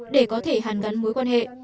để có thể hàn gắn mối quan hệ